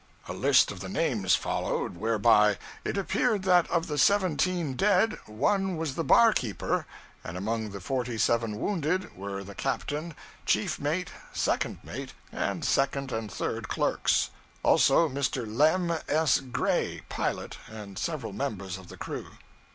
A list of the names followed, whereby it appeared that of the seventeen dead, one was the barkeeper; and among the forty seven wounded, were the captain, chief mate, second mate, and second and third clerks; also Mr. Lem S. Gray, pilot, and several members of the crew.